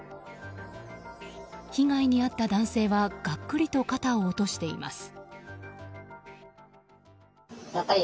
被害に遭った男性はがっくりと肩を落としています。